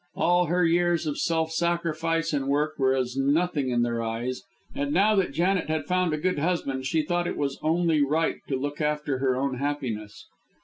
All her years of self sacrifice and work were as nothing in their eyes, and now that Janet had found a good husband she thought it was only right to look after her own happiness.